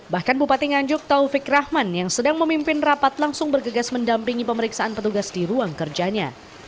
bahkan bupati nganjuk taufik rahman yang sedang memimpin rapat langsung bergegas mendampingi pemeriksaan petugas di ruang kerjanya